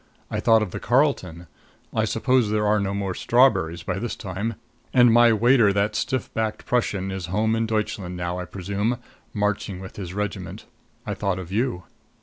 I thought of the Carlton I suppose there are no more strawberries by this time. And my waiter that stiff backed Prussian is home in Deutschland now, I presume, marching with his regiment. I thought of you.